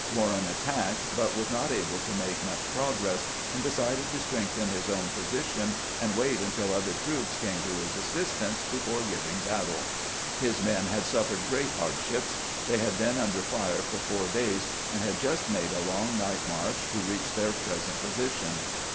Warren attacked, but was not able to make much progress, and decided to strengthen his own position and wait until other troops came to his assistance before giving battle. His men had suffered great hardships. They had been under fire for four days, and had just made a long night march to reach their present position.